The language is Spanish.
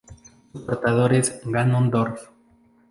Su portador es Ganondorf.